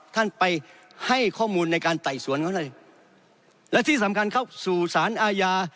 ท่านไปให้ข้อมูลในการไต่สวนเขาเลยและที่สำคัญเข้าสู่สารอาญา